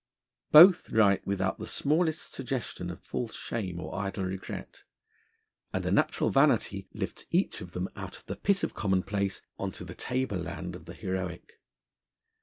Both write with out the smallest suggestion of false shame or idle regret, and a natural vanity lifts each of them out of the pit of commonplace on to the tableland of the heroic.